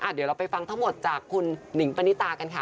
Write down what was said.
เดี๋ยวเราไปฟังทั้งหมดจากคุณหนิงปณิตากันค่ะ